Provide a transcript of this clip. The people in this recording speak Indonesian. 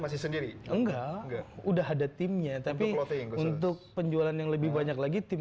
masih sendiri enggak udah ada timnya tapi untuk penjualan yang lebih banyak lagi tim